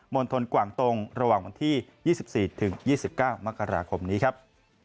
ณฑลกว่างตรงระหว่างวันที่๒๔ถึง๒๙มกราคมนี้ครับ